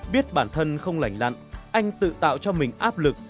biết bản thân không lành lặn anh tự tạo cho mình áp lực